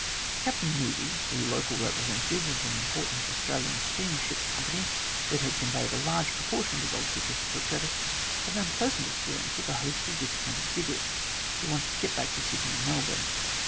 Captain Moodie, the local representative of an important Australian steamship company that had conveyed a large proportion of the gold seekers to Port Curtis, had an unpleasant experience with the host of disappointed diggers who wanted to get back to Sydney and Melbourne.